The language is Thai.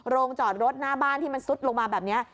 จอดรถหน้าบ้านที่มันซุดลงมาแบบนี้